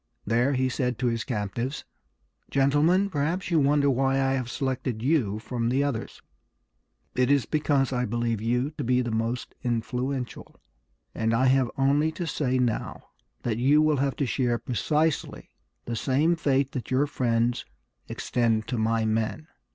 There he said to his captives, "Gentlemen, perhaps you wonder why I have selected you from the others. It is because I believe you to be the most influential; and I have only to say now that you will have to share precisely the same fate that your friends extend to my men."